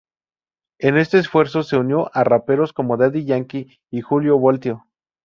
En este esfuerzo se unió a raperos como Daddy Yankee y Julio Voltio.